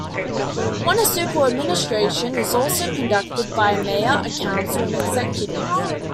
Municipal administration is also conducted by a mayor, a council, and an executive.